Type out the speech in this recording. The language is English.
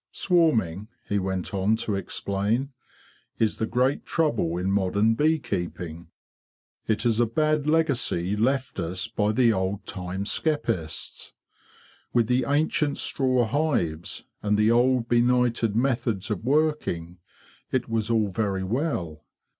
'' Swarming,''? he went on to explain, "'is the great trouble in modern bee keeping. It is a bad Icgacy left us by the old time skeppists. With the ancient straw hives and the old benighted methods of working, it was all very well.